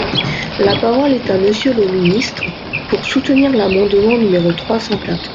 La parole est à Monsieur le ministre, pour soutenir l’amendement numéro trois cent quatre.